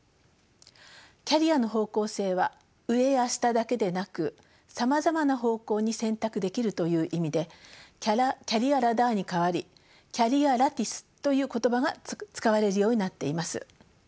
キャリアの方向性は上や下だけでなくさまざまな方向に選択できるという意味でキャリア・ラダーに代わりキャリア・ラティスという言葉が使われるようになっています。